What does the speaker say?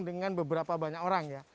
dengan beberapa banyak orang ya